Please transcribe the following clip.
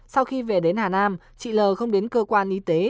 sau khi về đến hà nam chị l không đến cơ quan y tế